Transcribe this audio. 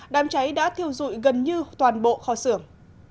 đám cháy đã thiêu dụi gần như toàn bộ kho xưởng